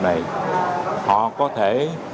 này họ có thể